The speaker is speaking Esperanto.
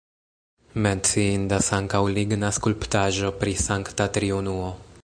Menciindas ankaŭ ligna skulptaĵo pri Sankta Triunuo.